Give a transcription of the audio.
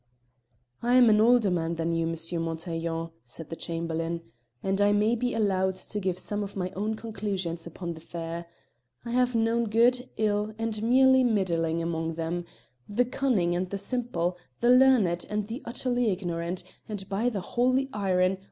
"I'm an older man than you, M. Montaiglon," said the Chamberlain, "and I may be allowed to give some of my own conclusions upon the fair. I have known good, ill, and merely middling among them, the cunning and the simple, the learned and the utterly ignorant, and by the Holy Iron!